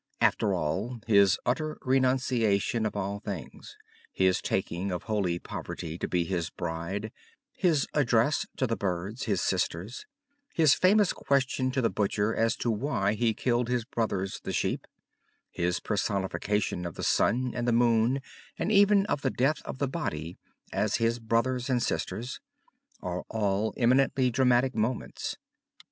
After all, his utter renunciation of all things, his taking of holy poverty to be his bride, his address to the birds, his sisters, his famous question of the butcher as to why he killed his brothers, the sheep, his personification of the sun and the moon and even of the death of the body as his brothers and sisters, are all eminently dramatic moments.